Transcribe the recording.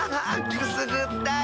くすぐったい！